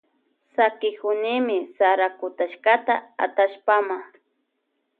Sakikunimi sara kutashkata atallpama.